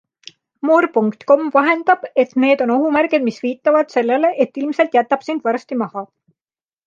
More.com vahendab, et need on ohumärgid, mis viitavad sellele, et ilmselt jätab sind varsti maha.